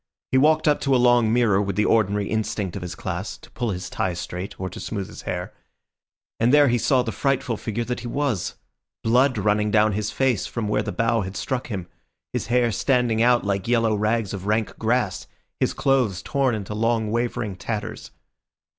He walked up to a long mirror with the ordinary instinct of his class, to pull his tie straight or to smooth his hair; and there he saw the frightful figure that he was—blood running down his face from where the bough had struck him, his hair standing out like yellow rags of rank grass, his clothes torn into long, wavering tatters.